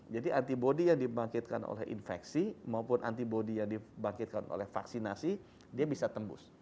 jadi antibody yang dibangkitkan oleh infeksi maupun antibody yang dibangkitkan oleh vaksinasi dia bisa tembus